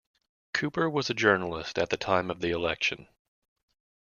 Cooper was a journalist at the time of the election.